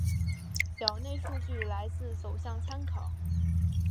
表内数据来自走向参考